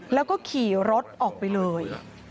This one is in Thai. แล้วก็ขี่รถออกไปเลย